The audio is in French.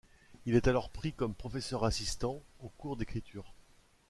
Il est alors pris comme professeur assistant, au cours d'écriture.